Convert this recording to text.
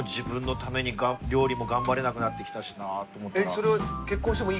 それは。